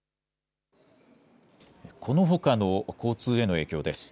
このほかの交通への影響です。